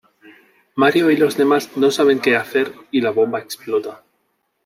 Mario y los demás no saben que hacer, y la bomba explota.